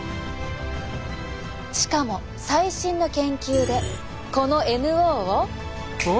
しかも最新の研究でこのＮＯを。